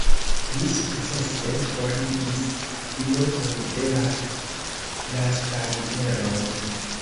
Li sukcese forigis plimulton de la plastaj eroj.